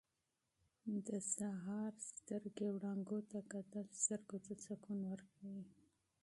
رڼا ته کتل سترګو ته سکون ورکوي.